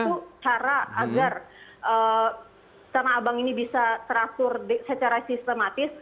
satu cara agar tanah abang ini bisa teratur secara sistematis